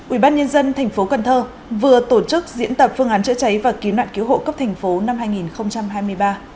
ubnd tp cn vừa tổ chức diễn tập phương án chữa cháy và kiếm nạn cứu hộ cấp tp cn năm hai nghìn hai mươi ba